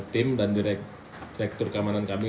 tim dan direktur keamanan kami